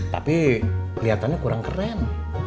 tapi kelihatannya kurang keren